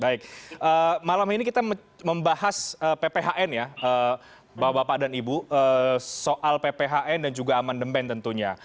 baik malam ini kita membahas pphn ya bapak bapak dan ibu soal pphn dan juga amandemen tentunya